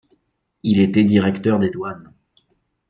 Il était directeur des douanes.